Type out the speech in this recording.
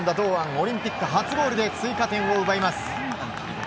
オリンピック初ゴールで追加点を奪います。